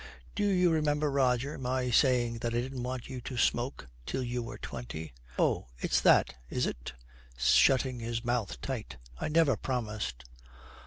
'Do you remember, Roger, my saying that I didn't want you to smoke till you were twenty?' 'Oh, it's that, is it?' Shutting his mouth tight, 'I never promised.'